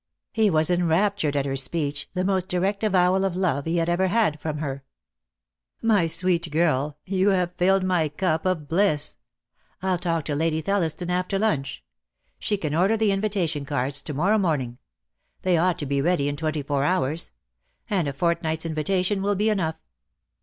He was enraptured at her speech, the most direct avowal of love he had ever had from her. "My sweet girl, you have filled my cup of bliss. I'll talk to Lady Thelliston after lunch. She can order the invitation cards to morrow morning. They ought to be ready in twenty four hours; and a fort night's invitation will be enough."